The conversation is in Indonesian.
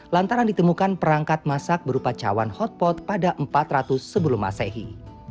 lantaran ditemukan perangkat masak berupa cawan hotpot pada empat ratus sebelum masehi